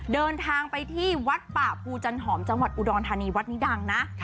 เดินทางไปที่วัดป่าภูจันหอมจังหวัดอุดรธานีวัดนี้ดังนะ